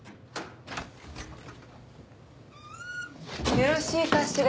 よろしいかしら？